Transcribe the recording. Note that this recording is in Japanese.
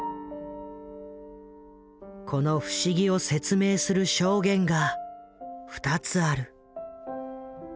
この不思議を説明する証言が２つある。